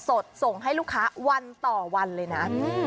ส่งให้ลูกค้าวันต่อวันเลยนะ